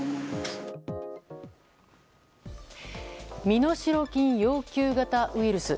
身代金要求型ウイルス。